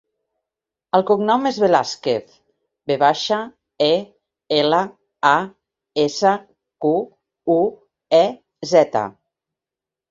El cognom és Velasquez: ve baixa, e, ela, a, essa, cu, u, e, zeta.